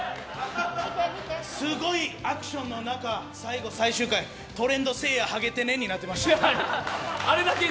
すごいアクションの中、最後最終回、トレンド「せいや、はげてね？」になってました。